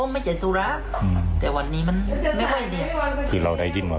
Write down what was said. เงี่ยมาพบเราว่าเขานินทา